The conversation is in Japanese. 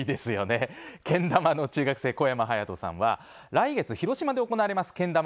けん玉の中学生小山颯人さんは来月、広島で行われますけん玉